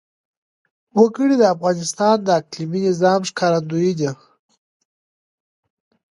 وګړي د افغانستان د اقلیمي نظام ښکارندوی ده.